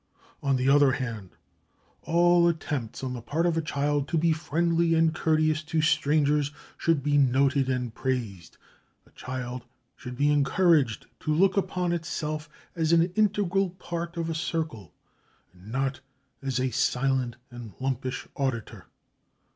On the other hand, all attempts on the part of a child to be friendly and courteous to strangers should be noted and praised; a child should be encouraged to look upon itself as an integral part of a circle, and not as a silent and lumpish auditor.